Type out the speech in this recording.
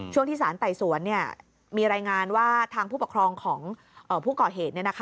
ช่วงที่สารไต่สวนมีรายงานว่าทางผู้ปกครองของผู้ก่อเหตุ